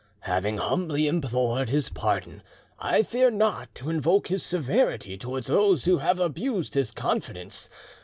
Having humbly implored his pardon, I fear not to invoke his severity towards those who have abused his confidence.